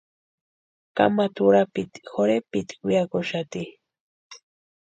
Kamata urapiti jorhepitku weakuxati.